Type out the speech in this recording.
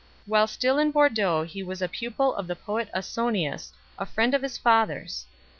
While still in Bordeaux he was a pupil of the poet Ausonius, a friend of his father s.